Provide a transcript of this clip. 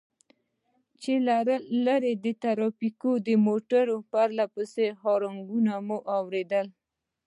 چې له لرې د ټرافيکو د موټر پرله پسې هارنونه مو واورېدل.